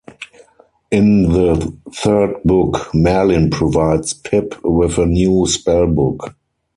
In the third book, Merlin provides Pip with a new spell book.